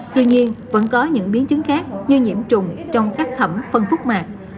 tuy nhiên vẫn có những biến chứng khác như nhiễm trùng trong các thẩm phân khúc mạc